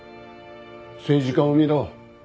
政治家を見ろ。